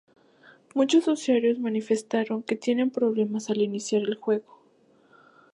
Muchos usuarios manifestaron que tienen problemas al iniciar el juego.